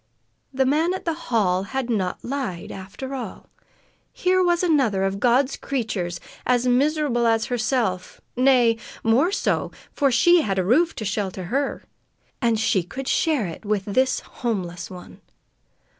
The man at the hall had not lied, after all. Here was another of God's creatures as miserable as herself nay, more so, for she had a roof to shelter her! And she could share it with this homeless one.